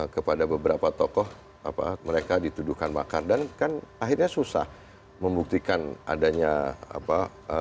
kepada beberapa tokoh apa mereka dituduhkan makar dan kan akhirnya susah membuktikan adanya apa